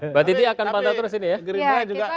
mbak titi akan pantau terus ini ya